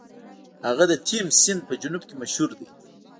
هغه د تیمس سیند په جنوب کې مشهور دی.